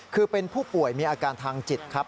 คือเป็นผู้ป่วยมีอาการทางจิตครับ